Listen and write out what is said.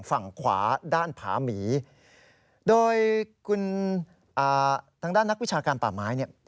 ฝั่งขวาด้านผาหมีโดยคุณทางด้านนักวิชาการป่าไม้เนี่ย